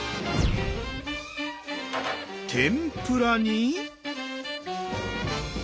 天ぷらに。